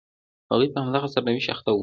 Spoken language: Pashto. هغوی په همدغه سرنوشت اخته وو.